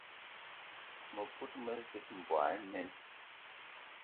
Mëkudgë mezig, mboigi imen